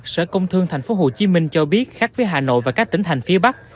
sở công thương tp hcm cho biết khác với hà nội và các tỉnh thành phía bắc